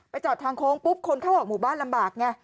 จอดทางโค้งปุ๊บคนเข้าออกหมู่บ้านลำบากไง